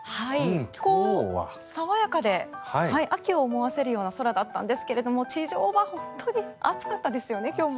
爽やかで秋を思わせるような空だったんですが地上は本当に暑かったですよね、今日も。